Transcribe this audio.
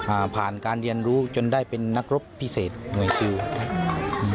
ผ่านการเรียนรู้จนได้เป็นนักรบพิเศษหน่วยซิลอืม